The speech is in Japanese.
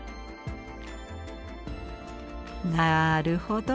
なるほど！